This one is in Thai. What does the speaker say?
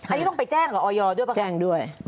อันนี้ต้องไปแจ้งกับออยอร์ด้วยหรือเปล่าครับแจ้งด้วย